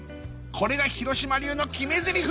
これが広島流の決めゼリフ